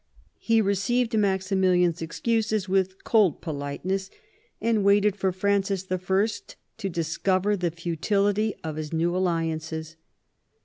He received Maximilian's excuses with cold politeness, and waited for Francis I. to dis cover the futility of his new alliances.